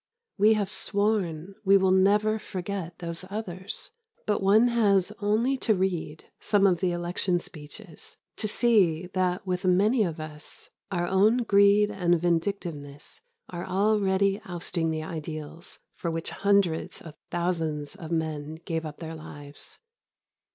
We have sworn we will never forget those others, but one has only to read some of the election speeches to see that with many of us our own greed and vindictiveness are already ousting the ideals for which hundreds of thousands of men gave up their lives.